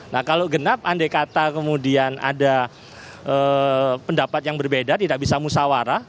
nah kalau genap andai kata kemudian ada pendapat yang berbeda tidak bisa musawarah